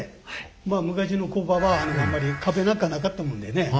昔の工場はあんまり壁なんかなかったもんでね